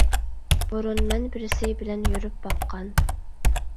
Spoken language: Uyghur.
— بۇرۇن مەن بىرسى بىلەن يۈرۈپ باققان.